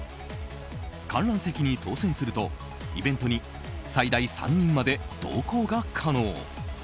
観覧席に当選するとイベントに、最大３人まで同行が可能。